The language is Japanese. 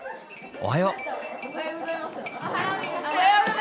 おはよう。